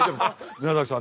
宮崎さん